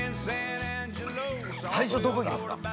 ◆最初どこ行きますか。